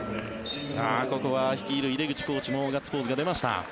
ここは率いる井手口コーチもガッツポーズが出ました。